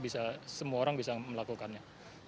semua orang bisa melakukannya